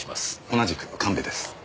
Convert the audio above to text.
同じく神戸です。